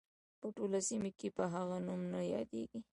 په ټوله سیمه کې په هغه نوم نه یادیږي.